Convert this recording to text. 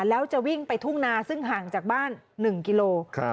แล้วจะวิ่งไปทุ่งนาซึ่งห่างจากบ้าน๑กิโล